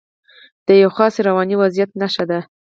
د یوه خاص رواني وضعیت نښه ده.